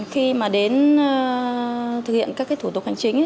khi mà đến thực hiện các thủ tục hành chính